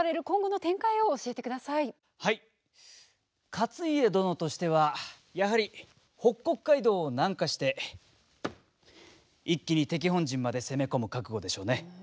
勝家殿としてはやはり北国街道を南下して一気に敵本陣まで攻め込む覚悟でしょうね。